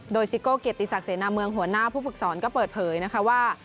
โดยซิโก้เกียรติศักดิเสนาเมืองหัวหน้าผู้ฝึกสอนก็เปิดเผยนะคะว่า